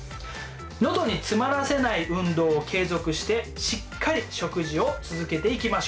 喉に詰まらせない運動を継続してしっかり食事を続けていきましょう。